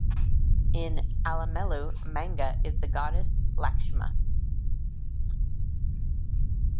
In Alamelu manga is the goddess Lakshmi.